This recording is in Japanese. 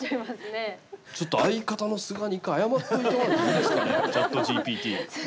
ちょっと相方の菅に１回、謝っておいてもらっていいですかね、ＣｈａｔＧＰＴ。